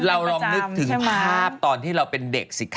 เราลองนึกถึงภาพตอนที่เราเป็นเด็กสิคะ